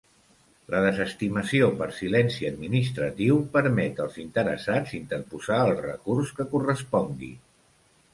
La desestimació per silenci administratiu permet als interessats interposar el recurs que correspongui.